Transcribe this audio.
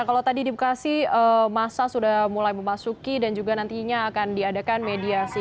kalau tadi di bekasi masa sudah mulai memasuki dan juga nantinya akan diadakan mediasi